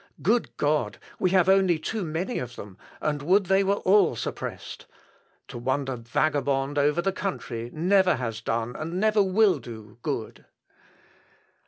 Good God! we have only too many of them, and would they were all suppressed.... To wander vagabond over the country never has done, and never will do good."